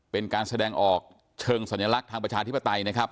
เป็นการแสดงออกเชิงสัญลักษณ์ทางประชาธิปไตยนะครับ